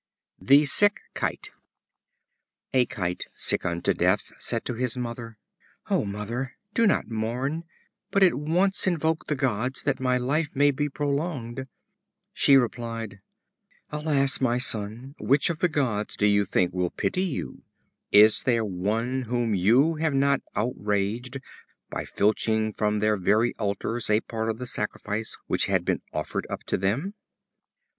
The Sick Kite. A Kite, sick unto death, said to his mother: "O Mother! do not mourn, but at once invoke the gods that my life may be prolonged." She replied: "Alas! my son, which of the gods do you think will pity you? Is there one whom you have not outraged by filching from their very altars a part of the sacrifice which had been offered up to them?"